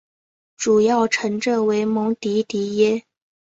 主要城镇为蒙迪迪耶。